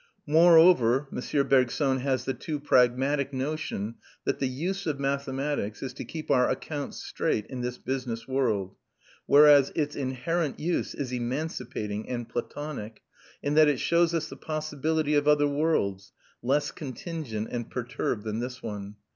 Moreover, M. Bergson has the too pragmatic notion that the use of mathematics is to keep our accounts straight in this business world; whereas its inherent use is emancipating and Platonic, in that it shows us the possibility of other worlds, less contingent and perturbed than this one.